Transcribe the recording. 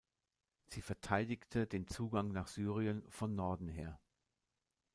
Sie verteidigte den Zugang nach Syrien von Norden her.